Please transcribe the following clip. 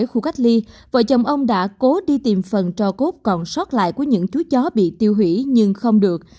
trong khu cách ly vợ chồng ông đã cố đi tìm phần cho cốt còn sót lại của những chú chó bị tiêu hủy nhưng không được